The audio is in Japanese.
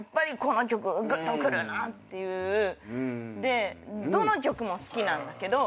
でどの曲も好きなんだけど